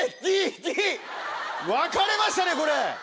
分かれましたねこれ！